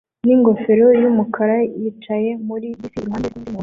ningofero yumukara yicaye muri bisi iruhande rwundi muntu